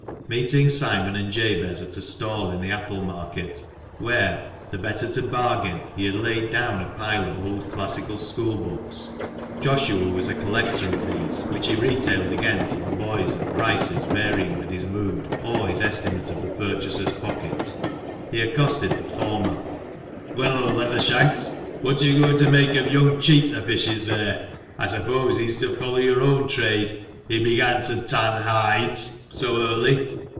Meeting Simon and Jabez at a stall EXIT FROM COLLEGE YARD. 68 THE MANCHESTER MAN. in the Apple Market, where, the better to bargain, he had laid down a pile of old classical school books (Joshua was a collector of these, which he retailed again to the boys at prices varying with his mood, or his estimate of the purchaser's pocket), he accosted the former. " Well, old Leathershanks, what are you going to make of young Cheat the fishes there? I suppose he's to follow your own trade, he began to tan hides so early?"